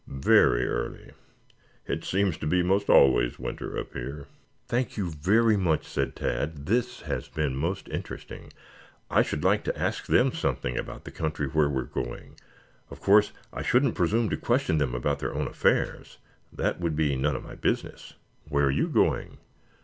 "Very early. It seems to be most always winter up here." "Thank you very much," said Tad. "This has been most interesting. I should like to ask them something about the country where we are going. Of course I shouldn't presume to question them about their own affairs. That would be none of my business." "Where are you going?"